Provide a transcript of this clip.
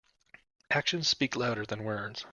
Actions speak louder than words.